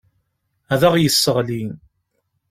Ad aɣ-yesseɣli.